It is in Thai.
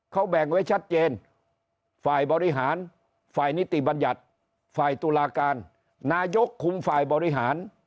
เขาแบ่งไว้ชัดเจนฝ่ายบริหารฝ่ายนิติบัญญัติฝ่ายตุลาการนายกคุมฝ่ายบริหาร